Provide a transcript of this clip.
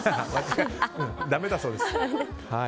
だめだそうです。